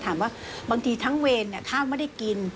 บางทีทั้งเวรข้าวไม่ได้กิน